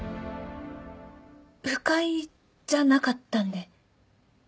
不快じゃなかったんで。